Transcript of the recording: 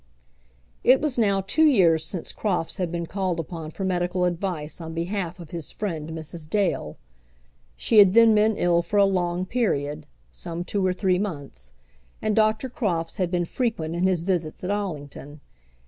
It was now two years since Crofts had been called upon for medical advice on behalf of his friend Mrs. Dale. She had then been ill for a long period some two or three months, and Dr. Crofts had been frequent in his visits at Allington.